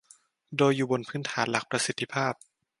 โดยอยู่บนพื้นฐานหลักประสิทธิภาพ